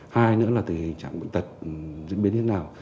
hai nữa là tình trạng bệnh tế